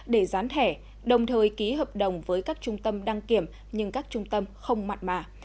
để gián thẻ đồng thời ký hợp đồng với các trung tâm đăng kiểm nhưng các trung tâm không mặt mà